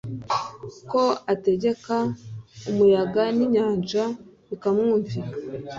ko ategeka umuyaga n inyanja bikamwumvira